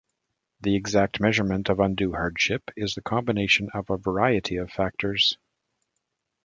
The exact measurement of undue hardship is the combination of a variety of factors.